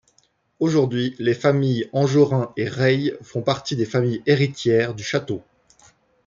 Aujourd'hui les familles Anjoran et Reille font partie des familles héritières du château.